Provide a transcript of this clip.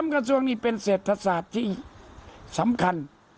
กระทรวงนี้เป็นเศรษฐศาสตร์ที่สำคัญ